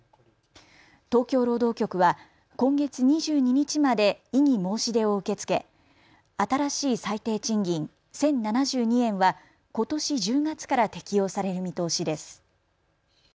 東京労働局は今月２２日まで異議申し出を受け付け新しい最低賃金１０７２円はことし１０月から適用される見通しです。